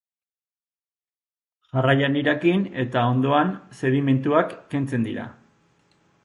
Jarraian irakin eta hondoan sedimentuak kentzen dira.